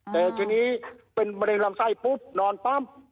แต่ทีนี้เวลาระเบิดทางใส่ปุ๊บนอนปั๊ม